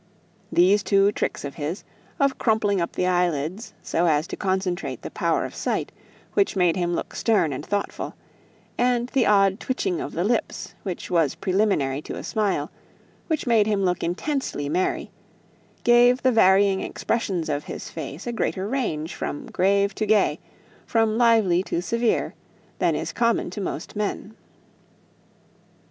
These two tricks of his of crumpling up the eyelids, so as to concentrate the power of sight, which made him look stern and thoughtful; and the odd twitching of the lips that was preliminary to a smile, which made him look intensely merry gave the varying expressions of his face a greater range "from grave to gay, from lively to severe," than is common with most men.